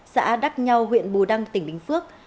xã đắc nhau huyện bù đăng tỉnh bình phước